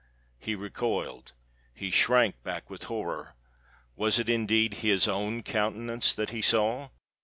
He recoiled—he shrank back with horror. Was it indeed his own countenance that he saw?